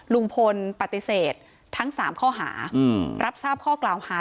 ลุงพลปฏิเสธทั้ง๓ข้อหารับทราบข้อกล่าวหา